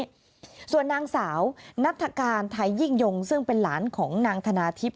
ด้วยส่วนนางสาวนัฐกาลไทยยิ่งยงซึ่งเป็นหลานของนางธนาทิพย